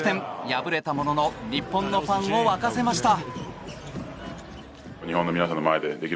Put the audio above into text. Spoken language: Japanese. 敗れたものの日本のファンを沸かせました。